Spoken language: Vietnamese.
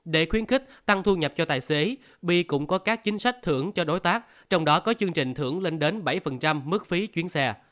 để khuyến khích tăng thu nhập cho tài xế bi cũng có các chính sách thưởng cho đối tác trong đó có chương trình thưởng lên đến bảy mức phí chuyến xe